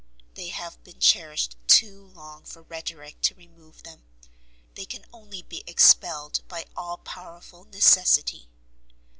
They have been cherished too long for rhetorick to remove them, they can only be expelled by all powerful Necessity.